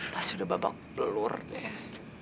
pasti udah babak belur deh